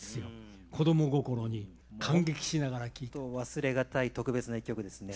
忘れ難い特別な一曲ですね。